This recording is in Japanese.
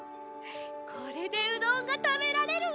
これでうどんがたべられるわ。